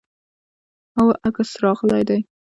هو، عکس راغلی دی